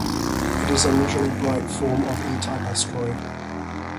It is an unusually bright form of E-type asteroid.